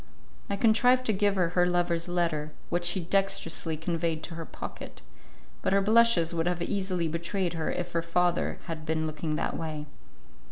I contrived to give her her lover's letter, which she dextrously conveyed to her pocket, but her blushes would have easily betrayed her if her father had been looking that way.